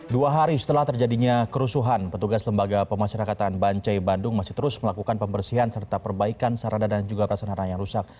dua hari setelah terjadinya kerusuhan petugas lembaga pemasyarakatan bancai bandung masih terus melakukan pembersihan serta perbaikan sarana dan juga prasarana yang rusak